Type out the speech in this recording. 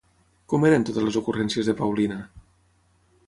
Com eren totes les ocurrències de Paulina?